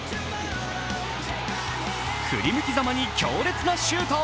振り向きざまに強烈なシュート。